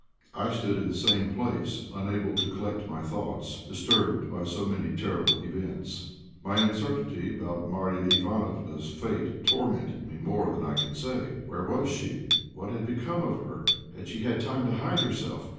I stood in the same place, unable to collect my thoughts, disturbed by so many terrible events. My uncertainty about Marya Ivánofna's fate tormented me more than I can say. Where was she? What had become of her? Had she had time to hide herself?